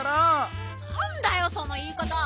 なんだよそのいいかた！